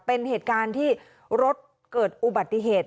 เป็นเหตุการณ์ที่รถเกิดอุบัติเหตุ